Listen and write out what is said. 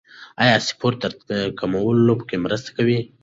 آیا سپورت د درد کمولو کې مرسته کوي؟